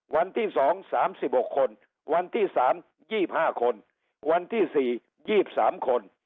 วันที่๒๓๖คนวันที่๓๒๕คนวันที่๔๒๓คน